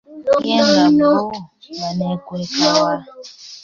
Ye nga bbo baneekweka wa?